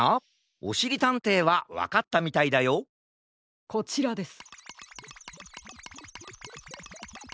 おしりたんていはわかったみたいだよこちらです。